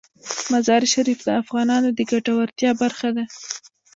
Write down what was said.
مزارشریف د افغانانو د ګټورتیا برخه ده.